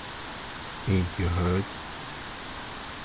Ain't you heard?